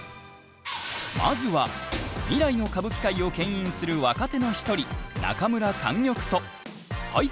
まずは未来の歌舞伎界をけん引する若手の一人中村莟玉と俳句